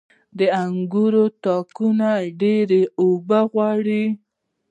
• د انګورو تاکونه ډيرې اوبه غواړي.